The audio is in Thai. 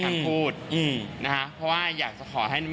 คือแม้ว่าจะมีการเลื่อนงานชาวพนักกิจแต่พิธีไว้อาลัยยังมีครบ๓วันเหมือนเดิม